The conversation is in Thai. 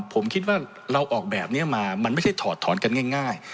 ผมคิดว่าเราออกแบบนี้มามันไม่ใช่ถอดถอนกันง่าย